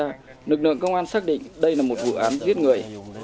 trước đó nực lượng công an xác định đây là một vụ án giết người